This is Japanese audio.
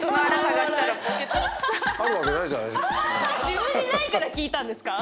自分にないから聞いたんですか？